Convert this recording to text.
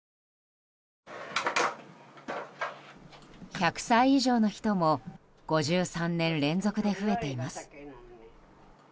１００歳以上の人も５３年連続で増えています。